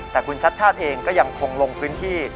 แต่คุณชัดชาติเองก็ยังคงลงพื้นที่